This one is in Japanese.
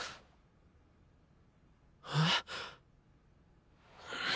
えっ？